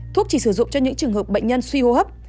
thuốc chỉ sử dụng cho những trường hợp bệnh nhân suy hô hấp